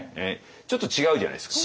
ちょっと違うじゃないですか。